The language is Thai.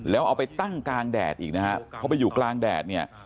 แล้วเอาไปตั้งกลางแดดอีกนะฮะเพราะไปอยู่กลางแดดเนี่ย